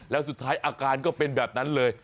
แล้วสุดท้ายอาการก็เป็นแบบนั้นเลย